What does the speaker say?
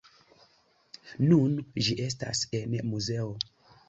Nun ĝi estas en muzeo.